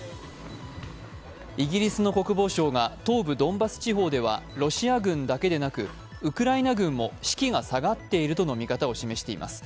イギリスの国防省が東部ドンバス地方ではロシア軍だけでなく、ウクライナ軍も士気が下がっているとの見方を示しています。